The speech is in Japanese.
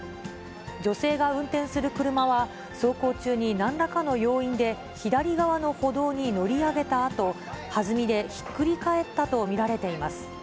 女性が運転する車は走行中になんらかの要因で、左側の歩道に乗り上げたあと、はずみでひっくり返ったと見られています。